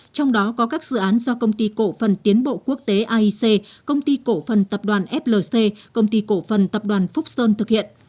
trong đó có các dự án do công ty cổ phần tiến bộ quốc tế aic công ty cổ phần tập đoàn flc công ty cổ phần tập đoàn phúc sơn thực hiện